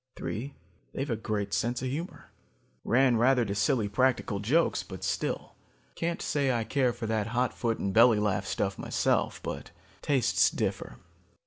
"Three, they've a great sense of humor. Ran rather to silly practical jokes, but still. Can't say I care for that hot foot and belly laugh stuff myself, but tastes differ.